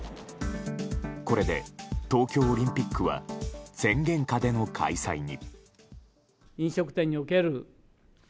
これで、東京オリンピックは宣言下での開催に。